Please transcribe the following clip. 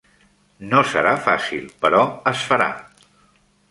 No serà fàcil, però es farà.